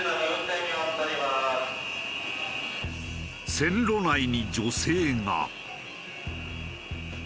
線路内に女性が。